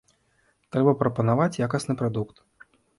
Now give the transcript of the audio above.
Трэба прапанаваць якасны прадукт.